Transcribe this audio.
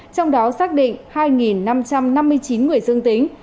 trong đó xác định hai năm trăm năm mươi chín người dương tính